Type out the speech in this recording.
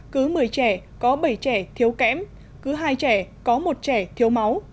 cứ một mươi trẻ có bảy trẻ thiếu kém cứ hai trẻ có một trẻ thiếu máu